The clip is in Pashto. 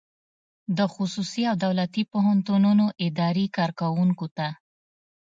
د خصوصي او دولتي پوهنتونونو اداري کارکوونکو ته